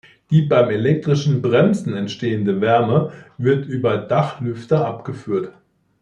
Die beim elektrischen Bremsen entstehende Wärme wird über Dachlüfter abgeführt.